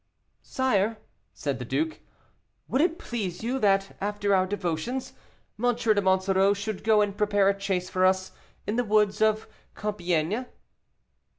"Sire," said the duke, "would it please you that, after our devotions, M, de Monsoreau should go and prepare a chase for us in the woods of Compiègne?"